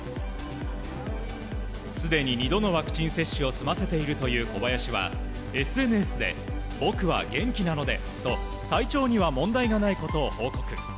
すでに２度のワクチン接種を済ませているという小林はＳＮＳで、僕は元気なのでと体調には問題がないことを報告。